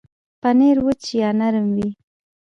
پنېر وچ یا نرم وي.